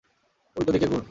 উল্টো দিকে ঘুর।